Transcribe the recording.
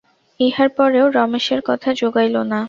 ইহার পরেও রমেশের কথা জোগাইল না।